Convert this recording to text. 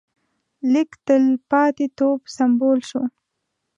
لیک د تلپاتېتوب سمبول شو.